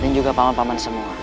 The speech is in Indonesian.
dan juga paman paman semua